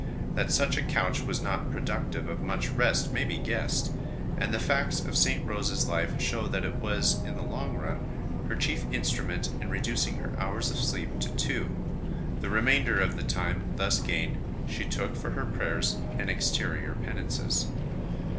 That such a couch was not productive of much rest may be guessed ; and the facts of St. Rose s life show that it was in the long run her chief instrument in reducing her hours of sleep to two ; the remainder of the time thus gained she took for her prayers and exterior penances.